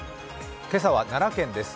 今朝は奈良県です。